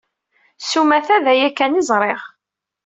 S umata, d aya kan i ẓriɣ.